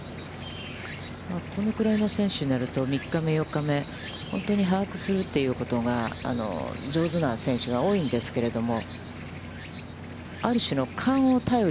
このくらいの選手になると、３日目、４日目、本当に把握するということが上手な選手が多いんですけれども。